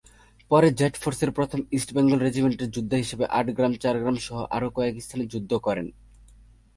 পরে জেড ফোর্সের প্রথম ইস্ট বেঙ্গল রেজিমেন্টের যোদ্ধা হিসেবে আটগ্রাম-চারগ্রামসহ আরও কয়েক স্থানে যুদ্ধ করেন।